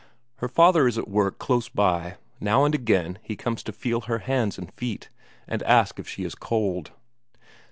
Her father is at work close by; now and again he comes up to feel her hands and feet, and ask if she is cold.